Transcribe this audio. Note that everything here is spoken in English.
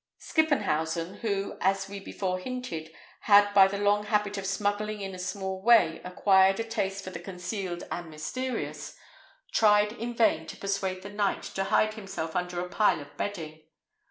Skippenhausen, who, as we before hinted, had by the long habit of smuggling in a small way acquired a taste for the concealed and mysterious, tried in vain to persuade the knight to hide himself under a pile of bedding.